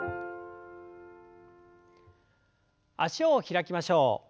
脚を開きましょう。